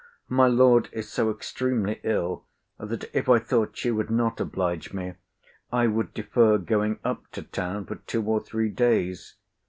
My Lord is so extremely ill, that if I thought she would not oblige me, I would defer going up to town for two or three days.